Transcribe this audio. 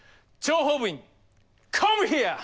諜報部員カムヒア！